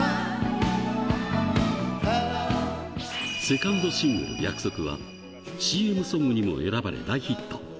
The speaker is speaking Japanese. セカンドシングル、約束は、ＣＭソングにも選ばれ大ヒット。